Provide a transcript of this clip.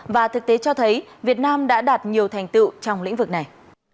và thực tế cho thấy việt nam đã đạt nhiều thành tựu trong lĩnh vực này